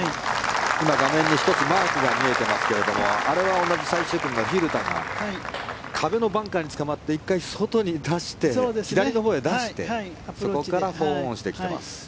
今、画面に１つマークが見えていますがあれは同じ最終組の蛭田が壁のバンカーにつかまって１回外に出して左のほうに出してそこから４オンしてきています。